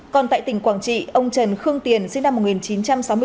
còn tại tỉnh quảng trị ông trần khương tiền sinh năm một nghìn chín trăm sáu mươi bốn